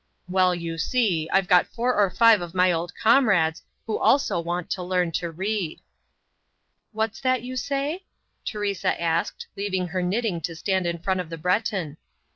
"Well, you see, I've got four or five of my old comrades who also want to learn to read." "What's that you say?" Teresa said, leaving her knitting to stand in front of the Breton.